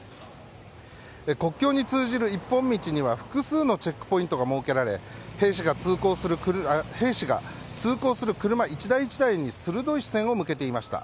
国境に通じる一本道には複数のチェックポイントが設けられ兵士が通行する車１台、１台に鋭い視線を向けていました。